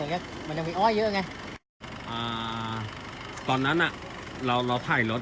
แบบนี้ก็มันจะมีอ้อยเยอะไงอ่าตอนนั้นอ่ะเราถ่ายรถ